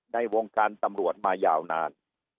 ในวงการตำรวจมายาวนาน